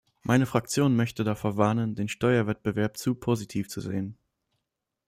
Meine Fraktion möchte davor warnen, den Steuerwettbewerb zu positiv zu sehen.